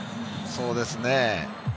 そうですね。